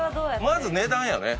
まず値段やね。